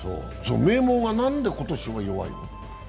名門が何で今年弱いの？